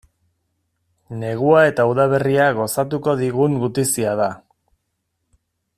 Negua eta udaberria gozatuko digun gutizia da.